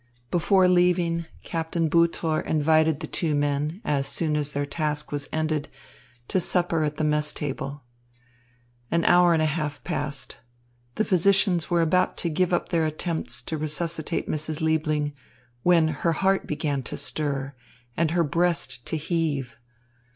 Before leaving, Captain Butor invited the two men, as soon as their task was ended, to supper at the mess table. An hour and a half passed. The physicians were about to give up their attempts to resuscitate Mrs. Liebling, when her heart began to stir and her breast to heave.